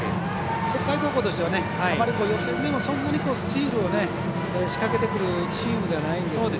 北海高校としては予選でもそんなにスチールを仕掛けてくるチームではないので。